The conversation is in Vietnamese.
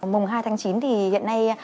mùng hai tháng chín thì hiện nay